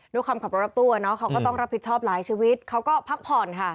คำขับรถรถตู้เขาก็ต้องรับผิดชอบหลายชีวิตเขาก็พักผ่อนค่ะ